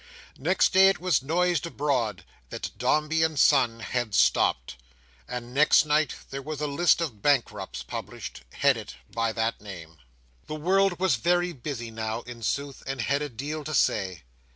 Next day it was noised abroad that Dombey and Son had stopped, and next night there was a List of Bankrupts published, headed by that name. The world was very busy now, in sooth, and had a deal to say.